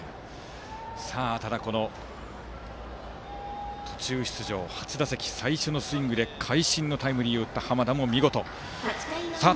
ただ、この途中出場初打席最初のスイングで会心のタイムリーを打った濱田も見事でした。